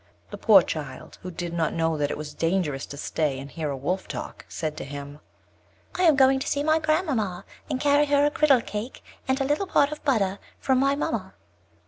The poor child, who did not know that it was dangerous to stay and hear a Wolf talk, said to him: "I am going to see my grand mamma, and carry her a girdle cake, and a little pot of butter, from my mamma."